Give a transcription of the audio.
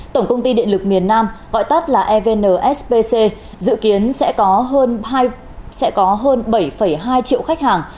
tổng công ty điện lực miền nam gọi tắt là evnsbc dự kiến sẽ có hơn bảy hai triệu khách hàng